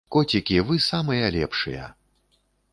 Коцікі, вы самыя лепшыя.